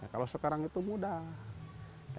kalau sekarang itu mudah